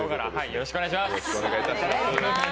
よろしくお願いします。